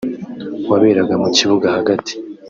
waberaga mu kibuga hagati